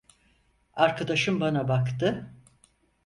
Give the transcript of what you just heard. Arkadaşım bana baktı: